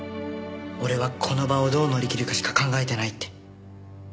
俺はこの場をどう乗りきるかしか考えてないって。